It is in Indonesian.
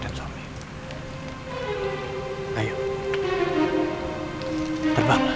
dia pernah mengalami pen recruitment